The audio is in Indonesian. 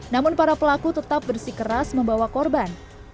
namun para pelaku tetap bersikeras membawa korban